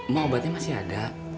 ma obatnya masih ada